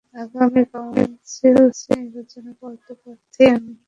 আগামী কাউন্সিল নির্বাচনে পদপ্রার্থী আমি।